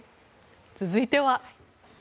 続いては。